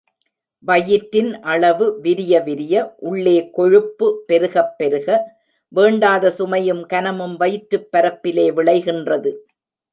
வயிற்றின் அளவு விரிய விரிய, உள்ளே கொழுப்பு பெருகப் பெருக, வேண்டாத சுமையும் கனமும் வயிற்றுப் பரப்பிலே விளைகின்றது.